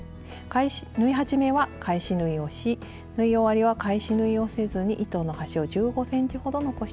縫い始めは返し縫いをし縫い終わりは返し縫いをせずに糸の端を１５ｃｍほど残して切ります。